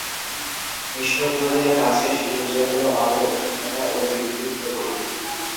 মিশরীয়দের কাছে সূর্য হল আলো, উষ্ণতা এবং বৃদ্ধির প্রতীক।